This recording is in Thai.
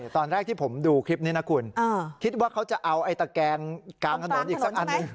ตอนแรกที่ผมดูคลิปนี้นะคุณคิดว่าเขาจะเอาไอ้ตะแกงกลางถนนอีกสักอันหนึ่ง